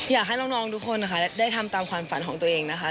อยากให้น้องทุกคนนะคะได้ทำตามความฝันของตัวเองนะคะ